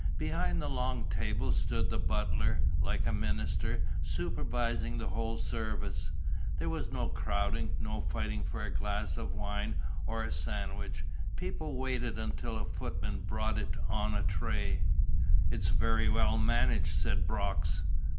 Behind the long tables stood the butler, like a minister, supervising the whole service. There was no crowding, no fighting for a glass of wine or a sandwich. People waited until a footman brought it on a tray. "It's very well managed," said Brox.